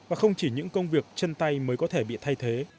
và không chỉ những công việc chân tay mới có thể bị thay thế